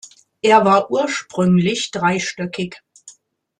Er war ursprünglich dreistöckig.